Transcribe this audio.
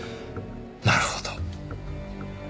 なるほど。